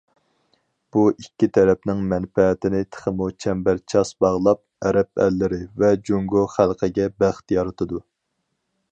بۇ ئىككى تەرەپنىڭ مەنپەئەتىنى تېخىمۇ چەمبەرچاس باغلاپ، ئەرەب ئەللىرى ۋە جۇڭگو خەلقىگە بەخت يارىتىدۇ.